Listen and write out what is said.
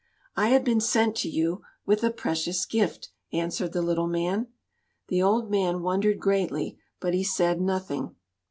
"I have been sent to you with a precious gift," answered the little man. The old man wondered greatly, but he said nothing.